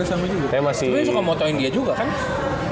sebenernya suka motoin dia juga kan